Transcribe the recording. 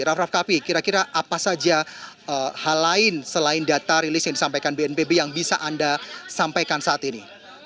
raff raff kapi kira kira apa saja hal lain selain data rilis yang disampaikan bnpb yang bisa anda sampaikan saat ini